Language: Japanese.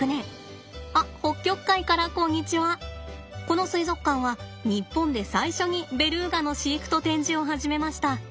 この水族館は日本で最初にベル―ガの飼育と展示を始めました。